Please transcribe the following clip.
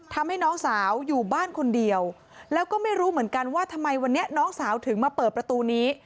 ทำให้น้องสาวอยู่บ้านคนเดียวแล้วก็ไม่รู้เหมือนกันว่าทำไมวันนี้น้องสาวถึงมาเปิดประตูนี้